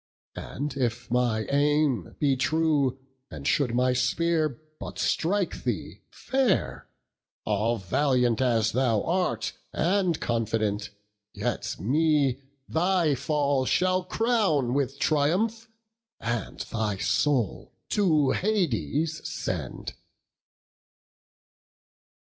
And if my aim be true, and should my spear But strike thee fair, all valiant as thou art, And confident, yet me thy fall shall crown With triumph, and thy soul to Hades send."